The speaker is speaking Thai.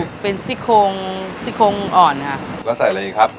กระดูกเป็นซิคงซิคงอ่อนครับแล้วใส่อะไรอีกครับ